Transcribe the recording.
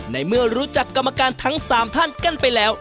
ในเมื่อรู้จักกรรมการทั้ง๓ท่านกันไปแล้ว